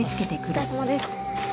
お疲れさまです。